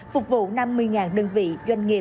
phục vụ năm mươi đơn vị doanh nghiệp